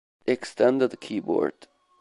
Extended" keyboard.